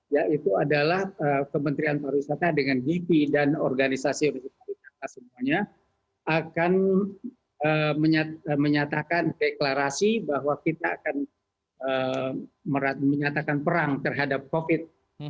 yaitu adalah kementerian pariwisata dengan gipi dan organisasi organisasi pariwisata semuanya akan menyatakan deklarasi bahwa kita akan menyatakan perang terhadap covid sembilan